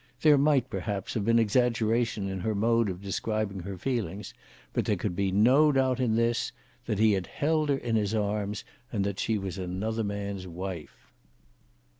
There might, perhaps, have been exaggeration in her mode of describing her feelings, but there could be no doubt in this, that he had held her in his arms and that she was another man's wife.